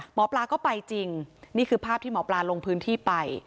หมอปลาก็ไปจริงนี่คือภาพที่หมอปลาลงพื้นที่ไป